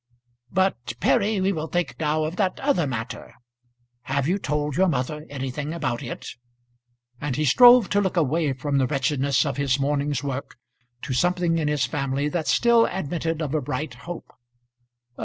But, Perry, we will think now of that other matter. Have you told your mother anything about it?" And he strove to look away from the wretchedness of his morning's work to something in his family that still admitted of a bright hope.